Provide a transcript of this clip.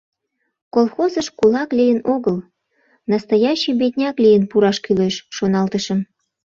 «Колхозыш кулак лийын огыл, настоящий бедняк лийын пураш кӱлеш», — шоналтышым.